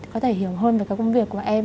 có thể hiểu hơn về các công việc của em